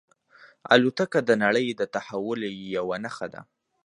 الوتکه د نړۍ د تحول یوه نښه ده.